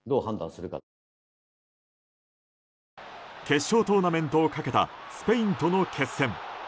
決勝トーナメントをかけたスペインとの決戦。